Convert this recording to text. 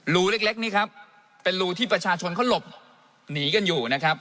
รูเล็กนี่ครับเป็นรูที่ประชาชนเขาหลบหนีกันอยู่นะครับ